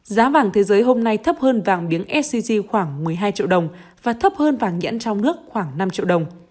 giá vàng thế giới hôm nay thấp hơn vàng miếng sgc khoảng một mươi hai triệu đồng và thấp hơn vàng nhẫn trong nước khoảng năm triệu đồng